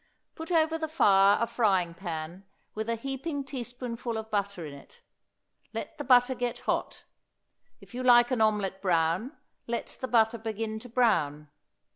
Put over the fire a frying pan with a heaping teaspoonful of butter in it. Let the butter get hot. If you like an omelette brown let the butter begin to brown.